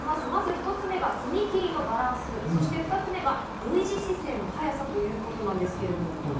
まず１つ目が踏み切りのバランス、２つ目がＶ字姿勢の早さということです。